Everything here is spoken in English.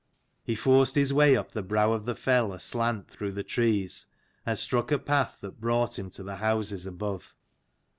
He forced his way up the brow of the fell aslant through the trees, and struck a path that brought him to the houses above.